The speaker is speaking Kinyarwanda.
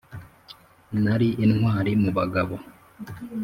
nari intwari mubagabo ...